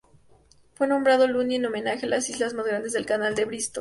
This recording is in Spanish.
Fue nombrado Lundy en homenaje a la isla más grande del canal de Bristol.